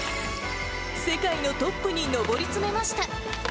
世界のトップに上り詰めました。